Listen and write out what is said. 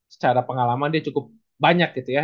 secara pengalaman dia cukup banyak gitu ya